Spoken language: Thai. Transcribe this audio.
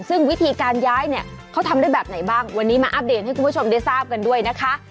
ซึ่งวิธีการย้ายเนี่ยเขาทำได้แบบไหนบ้างวันนี้มาอัปเดตให้คุณผู้ชมได้ทราบกันด้วยนะคะ